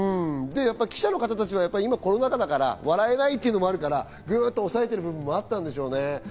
記者の方たちはコロナ禍だから笑えないってこともあるからぐっと抑えてる部分もあったんでしょうね。